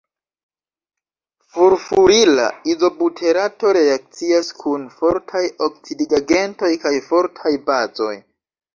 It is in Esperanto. Furfurila izobuterato reakcias kun fortaj oksidigagentoj kaj fortaj bazoj.